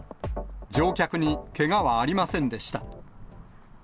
乗客にけがはありませんでした。